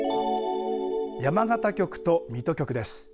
山形局と水戸局です。